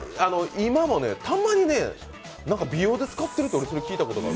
今もたまに美容で使ってると聞いたことある。